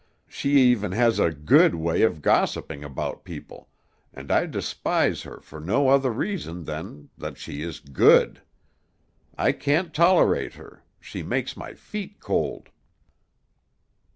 She even has a Good way of gossiping about people, and I despise her for no other reason than that she is Good. I can't tolerate her; she makes my feet cold."